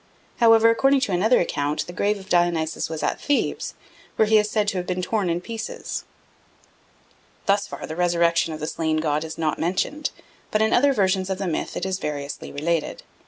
However, according to another account, the grave of Dionysus was at Thebes, where he is said to have been torn in pieces. Thus far the resurrection of the slain god is not mentioned, but in other versions of the myth it is variously related.